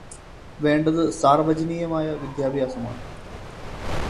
വേണ്ടത് സാർവജനീയ വിദ്യാഭ്യാസമാണ്.